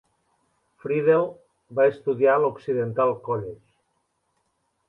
Friedle va estudiar a l'Occidental College.